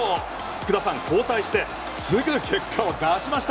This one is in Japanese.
福田さん交代してすぐ結果を出しました。